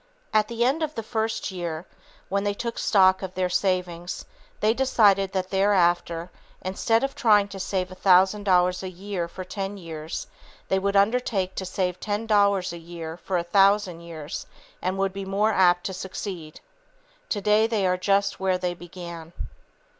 At the end of the first year, when they took stock of their savings, they decided that thereafter, instead of trying to save a thousand dollars a year for ten years, they would undertake to save ten dollars a year for a thousand years and would be more apt to succeed. Today they are just where they began.